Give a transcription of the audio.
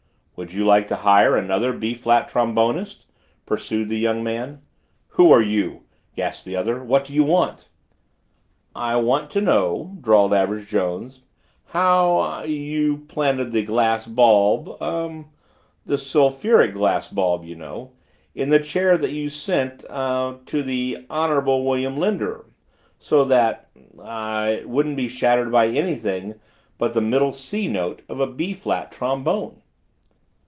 "Would you like to hire another B flat trombonist?" pursued the young man. "Who are you?" gasped the other. "What do you want?" "I want to know," drawled Average Jones, "how—er you planted the glass bulb—er—the sulphuric acid bulb, you know—in the chair that you sent—er—to the Honorable William Linder, so that—er—it wouldn't be shattered by anything but the middle C note of a B flat trombone?"